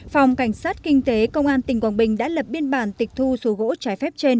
phòng cảnh sát kinh tế công an tỉnh quảng bình đã lập biên bản tịch thu số gỗ trái phép trên